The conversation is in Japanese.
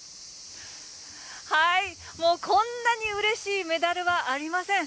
もうこんなにうれしいメダルはありません。